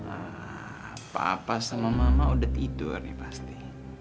apa apa sama mama udah tidur nih pasti